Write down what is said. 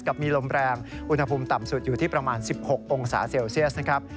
มีลมแรงอุณหภูมิต่ำสุดอยู่ที่ประมาณ๑๖องศาเซลเซียสนะครับ